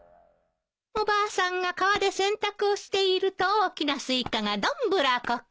おばあさんが川で洗濯をしていると大きなスイカがどんぶらこっこ。